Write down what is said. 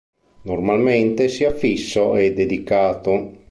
Normalmente sia fisso e dedicato.